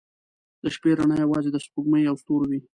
• د شپې رڼا یوازې د سپوږمۍ او ستورو وي.